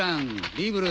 リーブル！